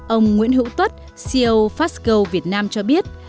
ông nguyễn hữu tuất ceo fastgo việt nam cho biết